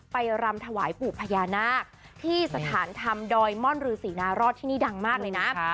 รำถวายปู่พญานาคที่สถานธรรมดอยม่อนรือศรีนารอดที่นี่ดังมากเลยนะ